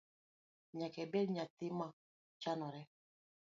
Nyaka ibed nyathi mo chanore.